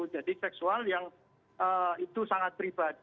jadi seksual yang itu sangat pribadi